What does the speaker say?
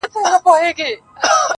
څه غزل غزل راګورې څه ټپه ټپه ږغېږې-